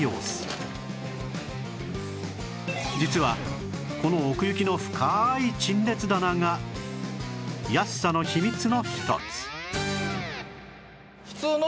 実はこの奥行きの深い陳列棚が安さの秘密の一つ